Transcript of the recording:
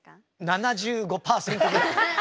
７５％ぐらい。